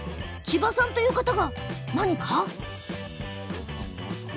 千葉さんという方が何か？